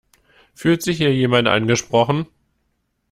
Fühlt sich hier jemand angesprochen?